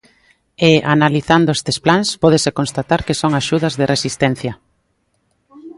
E, analizando estes plans, pódese constatar que son axudas de resistencia.